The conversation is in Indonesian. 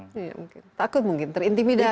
mungkin takut mungkin terintimidasi